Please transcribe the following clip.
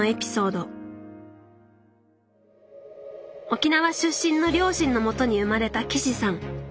沖縄出身の両親のもとに生まれた岸さん。